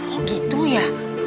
oh gitu ya